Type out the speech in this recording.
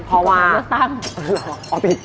พอว่าอ๋อผิด